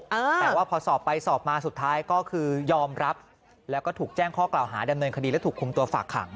แต่ว่าพอสอบไปสอบมาสุดท้ายก็คือยอมรับแล้วก็ถูกแจ้งข้อกล่าวหาดำเนินคดีและถูกคุมตัวฝากขัง